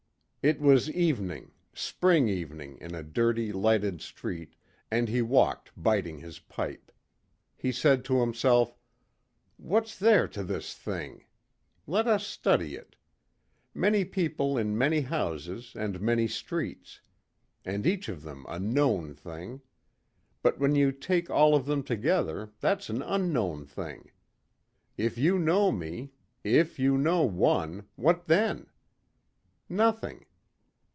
It was evening, spring evening in a dirty lighted street, and he walked biting his pipe. He said to himself, "What's there to this thing? Let us study it. Many people in many houses and many streets. And each of them a known thing. But when you take all of them together, that's an unknown thing. If you know me, if you know one what then? Nothing.